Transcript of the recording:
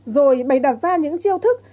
rồi bày đặt ra những chiêu thức